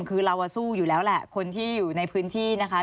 คือเราสู้อยู่แล้วแหละคนที่อยู่ในพื้นที่นะคะ